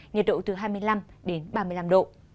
nhiệt độ từ hai mươi năm ba mươi năm độ